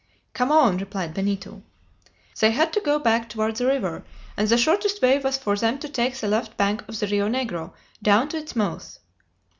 "Come on!" replied Benito. They had to go back toward the river, and the shortest way was for them to take the left bank of the Rio Negro, down to its mouth.